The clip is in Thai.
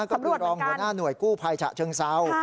ก็คือรองหัวหน้าหน่วยกู้ภัยฉะเชิงเซา